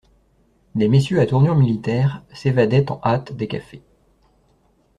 Des messieurs à tournure militaire s'évadaient en hâte des cafés.